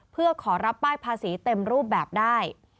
เพื่อขอรับป้ายภาษีเต็มรูปแบบได้